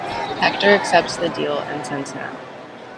Hector accepts the deal and sends him out.